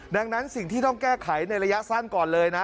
ดังนั้นสิ่งที่ต้องแก้ไขในระยะสั้นก่อนเลยนะ